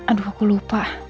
aduh aku lupa